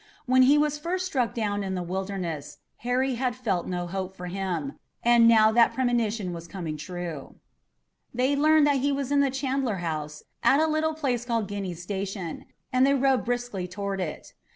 When he was first struck down in the Wilderness, Harry had felt no hope for him, and now that premonition was coming true. They learned that he was in the Chandler House at a little place called Guiney's Station, and they rode briskly toward it.